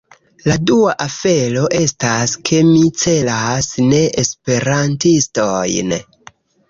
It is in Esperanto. La dua afero estas, ke mi celas ne-Esperantistojn.